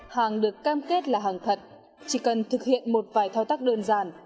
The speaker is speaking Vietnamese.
hàng được cam kết là hàng thật chỉ cần thực hiện một vài thao tác đơn giản